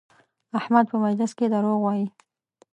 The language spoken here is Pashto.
احمد په مجلس کې دروغ وایي؛